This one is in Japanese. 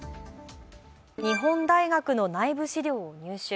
日本大学の内部資料を入手。